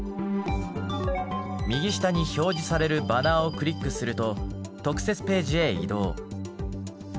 右下に表示されるバナーをクリックすると特設ページへ移動。